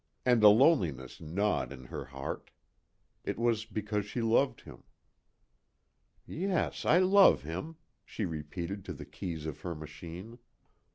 And a loneliness gnawed in her heart. It was because she loved him. "Yes, I love him," she repeated to the keys of her machine.